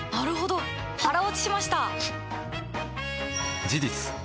腹落ちしました！